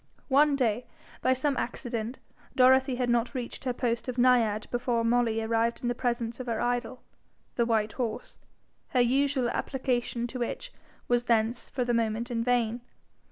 One day, by some accident, Dorothy had not reached her post of naiad before Molly arrived in presence of her idol, the white horse, her usual application to which was thence for the moment in vain.